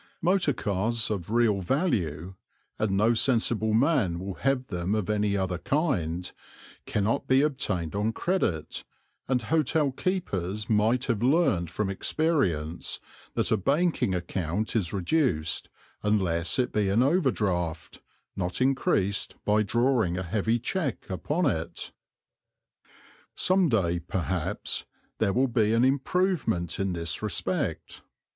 Motor cars of real value and no sensible man will have them of any other kind cannot be obtained on credit, and hotel keepers might have learned from experience that a banking account is reduced, unless it be an overdraft, not increased, by drawing a heavy cheque upon it. Some day, perhaps, there will be an improvement in this respect.